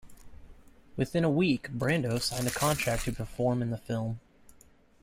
Within a week, Brando signed a contract to perform in the film.